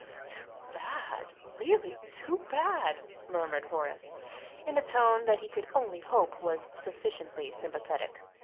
"Too bad really too bad!" murmured Horace, in a tone that he could only hope was sufficiently sympathetic.